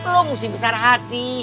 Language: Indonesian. lo mesti besar hati